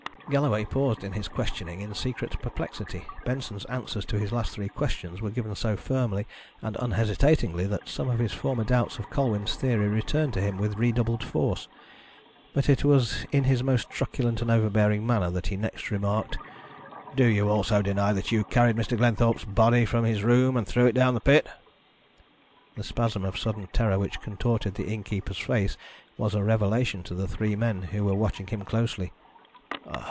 Galloway paused in his questioning in secret perplexity. Benson's answers to his last three questions were given so firmly and unhesitatingly that some of his former doubts of Colwyn's theory returned to him with redoubled force. But it was in his most truculent and overbearing manner that he next remarked: "Do you also deny that you carried Mr. Glenthorpe's body from his room and threw it down the pit?" The spasm of sudden terror which contorted the innkeeper's face was a revelation to the three men who were watching him closely.